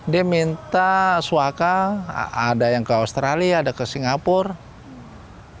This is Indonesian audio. dia minta suaka ada yang ke australia ada ke singapura